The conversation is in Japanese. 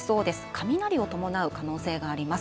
雷を伴う可能性があります。